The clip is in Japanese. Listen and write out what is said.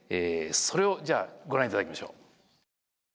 それをじゃあご覧頂きましょう。